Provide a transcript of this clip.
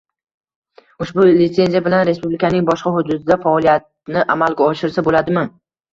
Ushbu litsenziya bilan respublikaning boshqa hududida faoliyatni amalga oshirsa bo’ladimi?